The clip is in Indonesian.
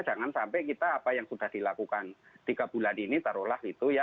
jangan sampai kita apa yang sudah dilakukan tiga bulan ini taruhlah gitu ya